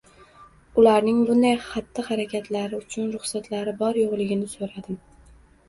ularning bunday xatti-harakatlar uchun ruxsatlari bor-yo‘qligini so‘radim.